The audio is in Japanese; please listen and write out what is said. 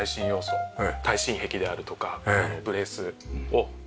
耐震壁であるとかブレースをとって。